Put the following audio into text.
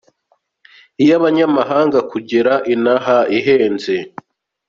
Iy’abanyamahanga Kugera inaha ihenze.